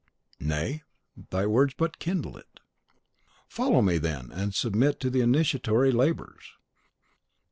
"Nay; thy words but kindle it." "Follow me, then, and submit to the initiatory labours."